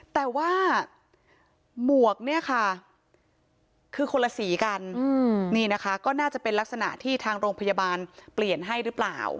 แต่ว่าหมวกเนี่ยค่ะคือคนละสีกันนี่นะคะก็น่าจะเป็นลักษณะที่ทางโรงพยาบาลเปลี่ยนให้หรือเปล่า